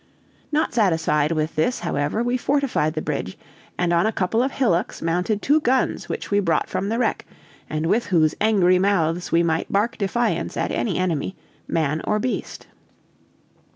Not satisfied with this, however, we fortified the bridge, and on a couple of hillocks mounted two guns which we brought from the wreck, and with whose angry mouths we might bark defiance at any enemy, man or beast.